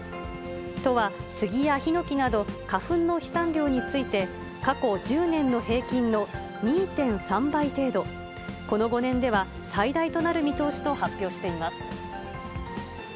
都はスギやヒノキなど、花粉の飛散量について、過去１０年の平均の２．３倍程度、この５年では最大となる見通しと発表しています。